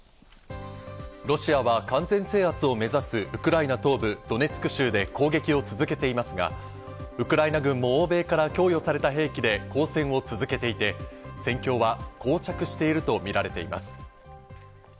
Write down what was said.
ロシアは完全制圧を目指すウクライナ東部ドネツク州で攻撃を続けていますが、ウクライナ軍も欧米から供与された兵器で抗戦を続けていて、戦況はこう着しているとみられます。